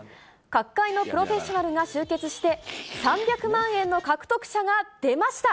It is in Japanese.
各界のプロフェッショナルが集結して、３００万円の獲得者が出ました。